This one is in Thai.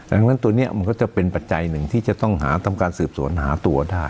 ดังนั้นตัวนี้มันก็จะเป็นปัจจัยหนึ่งที่จะต้องหาทำการสืบสวนหาตัวได้